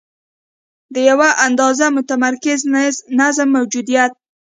د یوه اندازه متمرکز نظم موجودیت.